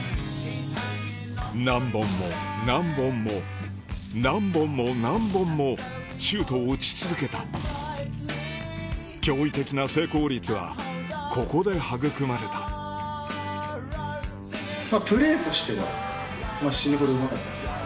何本も何本も何本も何本もシュートを打ち続けた驚異的な成功率はここで育まれたプレーとしては死ぬほどうまかったですよ。